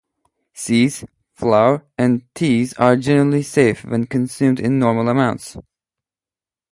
Seeds, flour, and teas are generally safe when consumed in normal amounts.